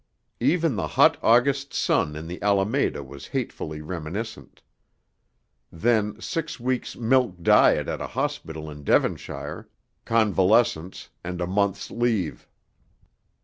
Even the hot August sun in the Alameda was hatefully reminiscent. Then six weeks' milk diet at a hospital in Devonshire, convalescence, and a month's leave.